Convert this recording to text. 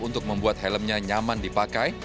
untuk membuat helmnya nyaman dipakai